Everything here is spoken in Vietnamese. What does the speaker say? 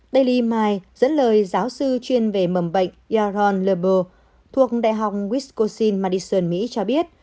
dailli my dẫn lời giáo sư chuyên về mầm bệnh yaron lebo thuộc đại học wiscosin madison mỹ cho biết